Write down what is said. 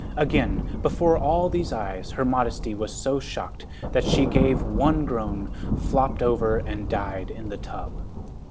Again, before all these eyes, her modesty was so shocked that she gave one groan, flopped over and died in the tub.